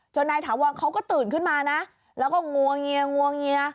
จนนายถาวรเขาก็ตื่นขึ้นมานะแล้วก็งวงเงีย